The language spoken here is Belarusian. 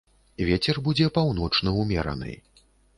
Вецер будзе паўночны ўмераны.